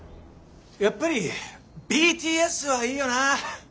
やっぱりＢＴＳはいいよな。